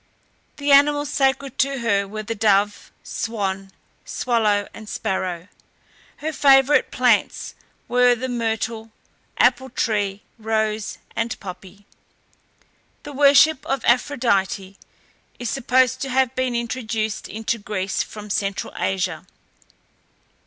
The animals sacred to her were the dove, swan, swallow, and sparrow. Her favourite plants were the myrtle, apple tree, rose, and poppy. The worship of Aphrodite is supposed to have been introduced into Greece from Central Asia.